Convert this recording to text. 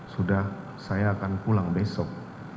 sudah saya akan pulang besok